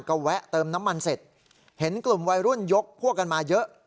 ก็แวะเติมน้ำมันเสร็จเห็นกลุ่มวัยรุ่นยกพวกกันมาเยอะ